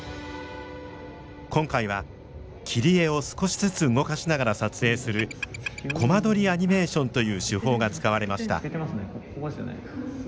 今回は切り絵を少しずつ動かしながら撮影するコマ撮りアニメーションという手法が使われました。